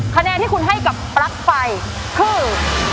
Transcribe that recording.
คะแนนที่คุณให้กับปลั๊กไฟคือ